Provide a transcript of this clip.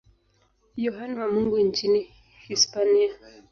Yohane wa Mungu nchini Hispania.